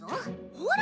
ほら。